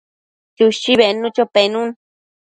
Chushi bednucho penun